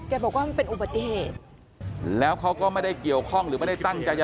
บอกว่ามันเป็นอุบัติเหตุแล้วเขาก็ไม่ได้เกี่ยวข้องหรือไม่ได้ตั้งใจจะ